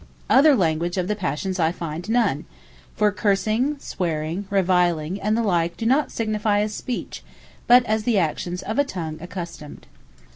Other language of the Passions I find none: for Cursing, Swearing, Reviling, and the like, do not signifie as Speech; but as the actions of a tongue accustomed.